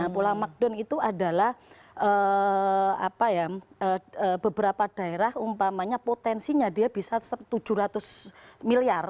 pola macdon itu adalah beberapa daerah umpamanya potensinya dia bisa tujuh ratus miliar